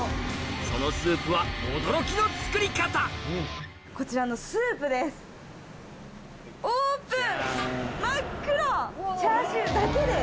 そのスープは驚きの作り方オープン！